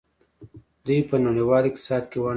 دوی په نړیوال اقتصاد کې ونډه لري.